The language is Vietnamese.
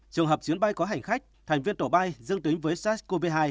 trường hợp chuyến bay có hành khách thành viên tổ bay dương tính với sars cov hai